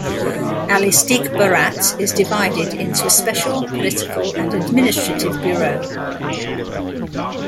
Al-Istikhbarat is divided into a Special, Political and Administrative Bureau.